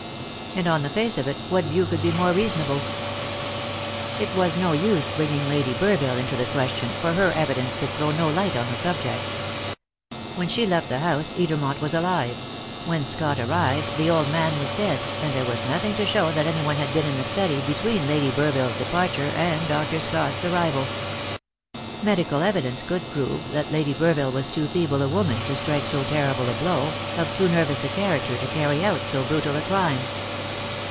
And on the face of it what view could be more reasonable? It was no use bringing Lady Burville into the question, for her evidence could throw no light on the subject. When she left the house Edermont was alive; when Scott arrived the old man was dead, and there was nothing to show that anyone had been in the study between Lady Burville's departure and Dr. Scott's arrival. Medical evidence could prove that Lady Burville was too feeble a woman to strike so terrible a blow, of too nervous a character to carry out so brutal a crime.